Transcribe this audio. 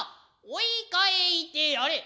追い返いてやれ。